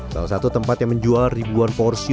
salah satu tempat yang menjual ribuan porsi